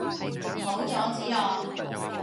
唔好阻止我！